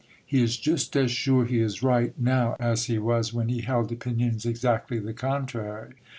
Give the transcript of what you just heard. He is just as sure he is right now as he was when he held opinions exactly the contrary.